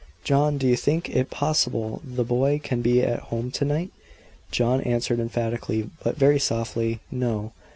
"John, do you think it possible the boy can be at home to night?" John answered emphatically, but very softly, "No."